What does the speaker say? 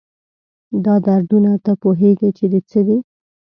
دا دردونه، تۀ پوهېږي چې د څه دي؟